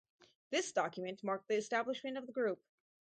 This document marked the establishment of the group.